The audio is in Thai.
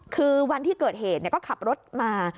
คือวันที่เกิดเหตุก็ขับรถมา